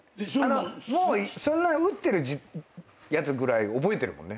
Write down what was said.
もう打ってるやつぐらい覚えてるもんね？